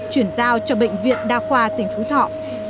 chuyển giao cho bệnh viện đa khoa tỉnh phú thọ